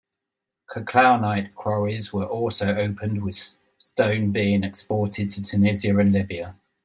Calcarenite quarries were also opened with stone being exported to Tunisia and Libya.